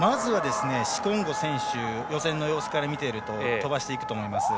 シコンゴ選手予選の様子から見ていると飛ばしていくと思います。